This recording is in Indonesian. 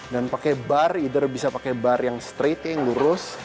dan pake bar either bisa pake bar yang straight yang lurus